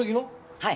はい！